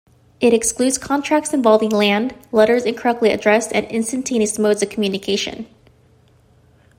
It excludes contracts involving land, letters incorrectly addressed and instantaneous modes of communication.